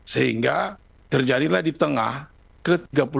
sehingga terjadilah di tengah ke tiga puluh